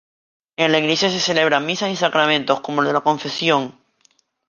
En la iglesia se celebran misas y sacramentos, como el de la confesión.